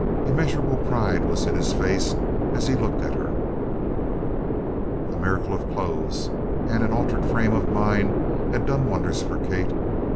Immeasurable pride was in his face as he looked at her. The miracle of clothes and an altered frame of mind had done wonders for Kate.